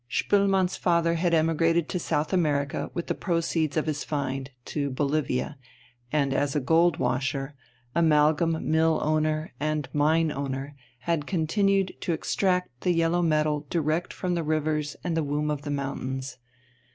Spoelmann's father had emigrated to South America with the proceeds of his find, to Bolivia, and as gold washer, amalgam mill owner, and mine owner had continued to extract the yellow metal direct from the rivers and the womb of the mountains.